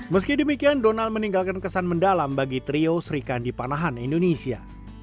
meski demikian donald meninggalkan kesan mendalam bagi trio serikan di panahan indonesia